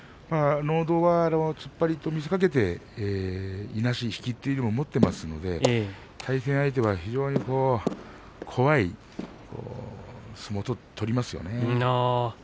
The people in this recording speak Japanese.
突っ張りと見せかけていなし、引きというのも持っていますので対戦相手は非常に怖い相撲を取りますよね。